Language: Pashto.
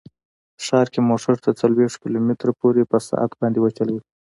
ښار کې موټر تر څلوېښت کیلو متره پورې په ساعت باندې وچلوئ